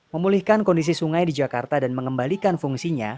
memulihkan kondisi sungai di jakarta dan mengembalikan fungsinya